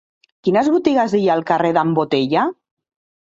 Quines botigues hi ha al carrer d'en Botella?